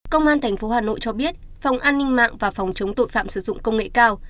công an tp hà nội cho biết phòng an ninh mạng và phòng chống tội phạm sử dụng công nghệ cao